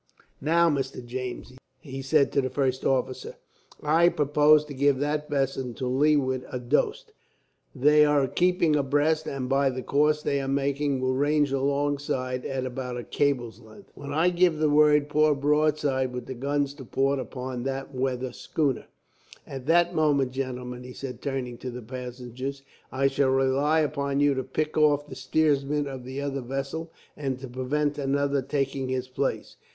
"Now, Mr. James," he said to the first officer, "I propose to give that vessel to leeward a dose. They are keeping about abreast, and by the course they are making will range alongside at about a cable's length. When I give the word, pour a broadside with the guns to port upon that weather schooner. "At that moment, gentlemen," he said, turning to the passengers, "I shall rely upon you to pick off the steersman of the other vessel, and to prevent another taking his place.